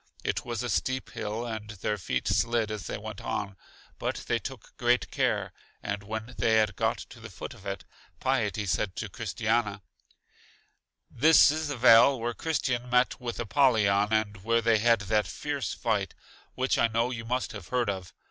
It was a steep hill, and their feet slid as they went on; but they took great care, and when they had got to the foot of it, Piety said to Christiana: This is the vale where Christian met with Apollyon and where they had that fierce fight which I know you must have heard of.